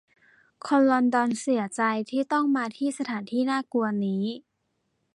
คนลอนดอนเสียใจที่ต้องมาที่สถานที่น่ากลัวนี้